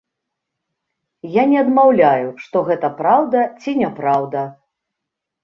Я не адмаўляю, што гэта праўда ці не праўда.